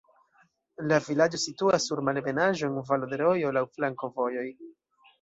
La vilaĝo situas sur malebenaĵo, en valo de rojo, laŭ flankovojoj.